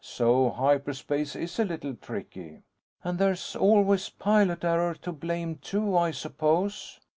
So hyperspace is a little tricky." "And there's always pilot error to blame, too, I suppose?"